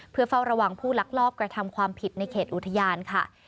เพื่อเฝ้าระวังผู้ลักลอบกระทำความผิดในเขตอุทยานค่ะ